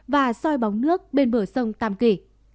và soi bóng nước bên bờ sông tam kỳ